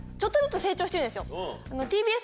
してるんですよ。